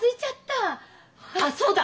あっそうだ。